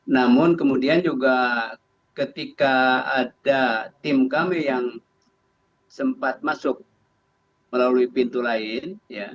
namun kemudian juga ketika ada tim kami yang sempat masuk melalui pintu lain